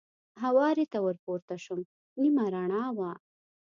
هوارې ته ور پورته شوم، نیمه رڼا وه.